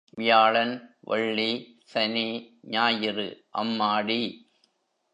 வியாழன், வெள்ளி, சனி, ஞாயிறு அம்மாடி!